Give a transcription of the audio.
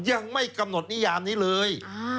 ยังไม่กำหนดนิยามนี้เลย